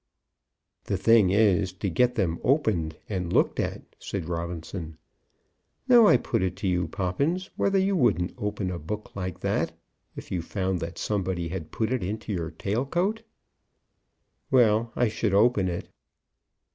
"The thing is, to get them opened and looked at," said Robinson. "Now, I put it to you, Poppins, whether you wouldn't open a book like that if you found that somebody had put it into your tail coat." "Well, I should open it."